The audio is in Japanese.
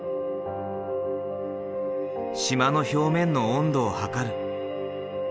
島の表面の温度を測る。